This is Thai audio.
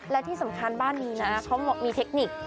และที่สำคัญบ้านนี้นะเขามีเทคนิค